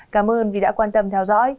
cảm ơn vì đã quan tâm theo dõi